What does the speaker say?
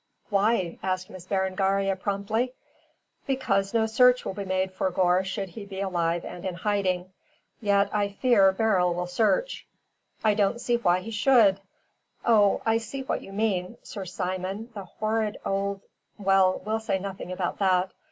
"Why?" asked Miss Berengaria promptly. "Because no search will be made for Gore should he be alive and in hiding. Yet I fear Beryl will search." "I don't see why he should. Oh, I see what you mean. Sir Simon, the horrid old Well, we'll say nothing about that.